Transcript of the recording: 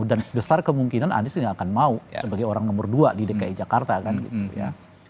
dan besar kemungkinan anies gak akan mau sebagai orang nomor dua di dki jakarta kan gitu ya